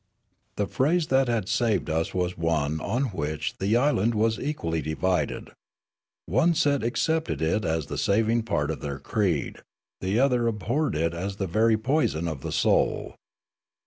'' The phrase that had saved us w'as one on which the island was equally divided ; one set accepted it as the saving part of their creed ; the other abhorred it as the very poison of the soul.